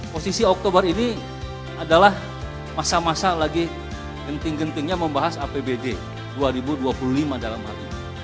posisi oktober ini adalah masa masa lagi genting gentingnya membahas apbd dua ribu dua puluh lima dalam hal ini